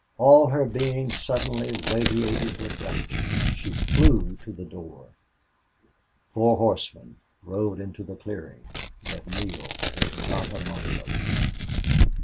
All her being suddenly radiated with rapture. She flew to the door. Four horsemen rode into the clearing, but Neale was not among them.